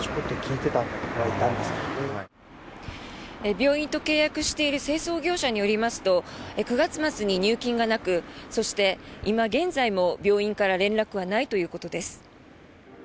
病院と契約している清掃業者によりますと９月末に入金がなくそして、今現在も病院から連絡はないということです。